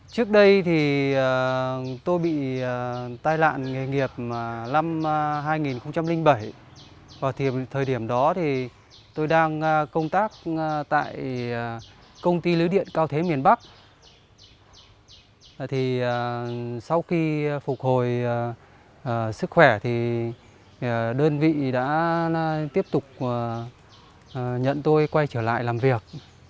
sau gần một năm phục hồi sức khỏe đơn vị đã tiếp tục nhận tôi quay trở lại làm việc